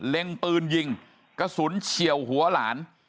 ปืนยิงกระสุนเฉียวหัวหลาน